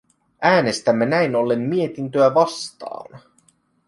Äänestämme näin ollen mietintöä vastaan.